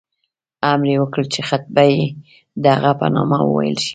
امر یې وکړ چې خطبه دې د هغه په نامه وویل شي.